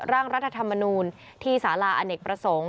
ร่างรัฐธรรมนูลที่สาราอเนกประสงค์